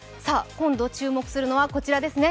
今度注目するのはこちらですね。